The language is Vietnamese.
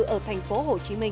ở thành phố hồ chí minh